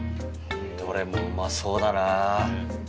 どれもうまそうだな。